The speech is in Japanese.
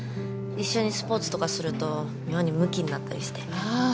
一緒にスポーツとかすると妙にむきになったりして。